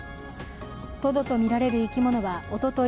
トドとみられる生き物はおととい